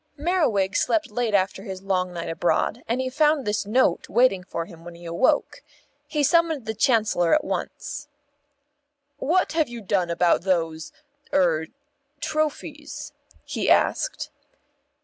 Merriwig slept late after his long night abroad, and he found this Note waiting for him when he awoke. He summoned the Chancellor at once. "What have you done about those er trophies?" he asked.